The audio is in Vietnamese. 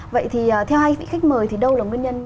vậy thì theo hai vị khách mời thì đâu là nguyên nhân